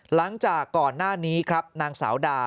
หลังจากก่อนหน้านี้ครับนางสาวดา